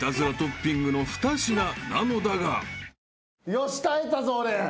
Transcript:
よし耐えたぞ俺。